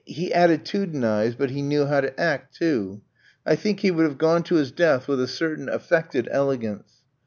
He attitudinised, but he knew how to act, too. I think he would have gone to his death with a certain affected elegance.